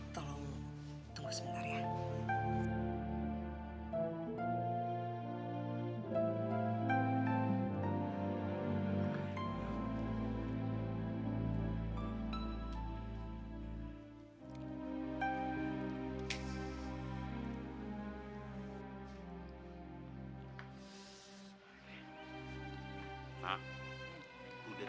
tolong tunggu sebentar ya